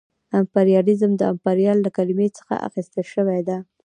امپریالیزم د امپریال له کلمې څخه اخیستل شوې ده